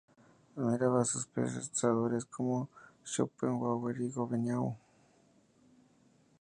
Admiraba a pensadores como Schopenhauer y Gobineau.